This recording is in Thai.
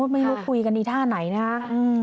ไม่รู้คุยกันดีท่าไหนนะคะ